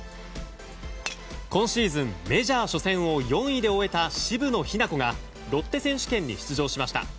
今シーズンメジャー初戦を４位で終えた渋野日向子がロッテ選手権に出場しました。